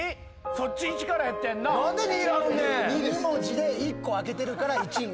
２文字で１個あけてるから１に。